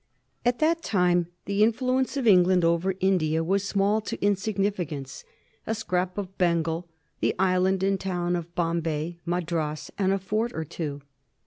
At that time the influence of England over India was small to insignificance — a scrap of Bengal, the island and town of Bombay, Madras, and a fort or two.